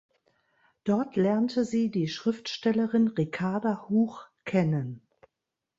Dort lernte sie die Schriftstellerin Ricarda Huch kennen.